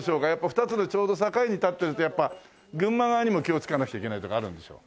２つのちょうど境に立ってるとやっぱ群馬側にも気を使わなくちゃいけないとかあるんでしょう？